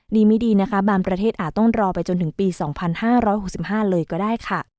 ดีไม่ดีนะคะบางประเทศอาจต้องรอไปจนถึงปี๒๕๖๕เลยก็ได้ค่ะ